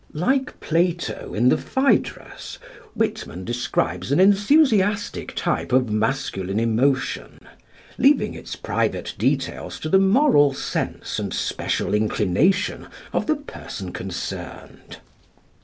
Like Plato, in the Phædrus, Whitman describes an enthusiastic type of masculine emotion, leaving its private details to the moral sense and special inclination of the person concerned.